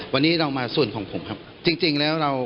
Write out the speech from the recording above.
วันนี้เรามาส่วนของผมครับจริงจริงแล้วเรา